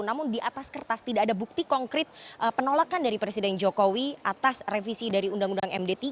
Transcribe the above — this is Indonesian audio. namun di atas kertas tidak ada bukti konkret penolakan dari presiden jokowi atas revisi dari undang undang md tiga